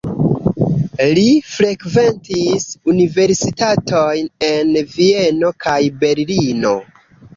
Li frekventis universitatojn en Vieno kaj Berlino.